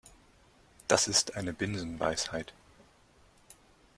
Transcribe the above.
Das ist eine Binsenweisheit.